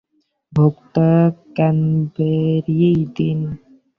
Vodka ক্যানবেরিই দিন।